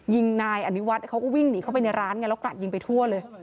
ยิงนายอนิวัฒน์เขาก็วิ่งหนีเข้าไปในร้านไงแล้วกราดยิงไปทั่วเลย